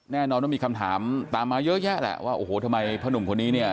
แน่นอนว่ามีคำถามตามมาเยอะแยะแหละว่าโอ้โหทำไมพ่อหนุ่มคนนี้เนี่ย